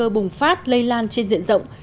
bùng phát lây lan trên diện rộng